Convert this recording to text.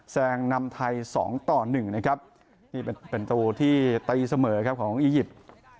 แซงนำไทย๒ต่อ๑นะครับนี่เป็นประตูที่ตีเสมอครับของอียิปต์